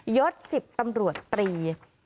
ยศ๑๐ตำรวจตรี